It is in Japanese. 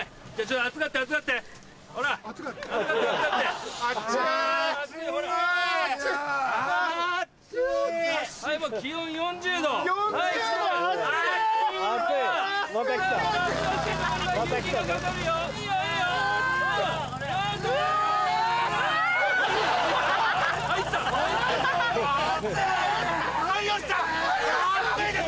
暑いです！